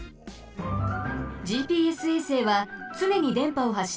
ＧＰＳ衛星はつねにでんぱをはっしています。